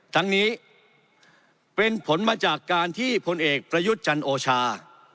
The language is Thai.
ทั้งนี้เป็นผลมาจากการที่พลเอกประยุทธ์จันโอชา